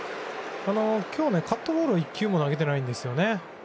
今日、カットボールを１球も投げてないんですね。